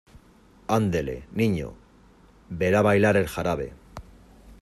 andele, niño , verá bailar el jarabe.